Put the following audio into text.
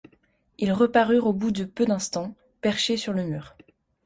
Ils reparurent au bout de peu d’instants, perchés sur le mur.